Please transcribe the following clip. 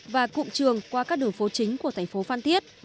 và cụm trường qua các đường phố chính của tp phan thiết